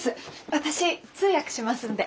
私通訳しますんで。